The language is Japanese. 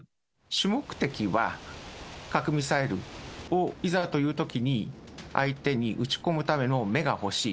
主目的は、核ミサイルをいざというときに相手に撃ち込むための目が欲しい。